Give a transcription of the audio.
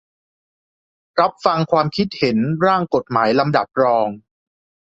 รับฟังความคิดเห็น ร่างกฎหมายลำดับรอง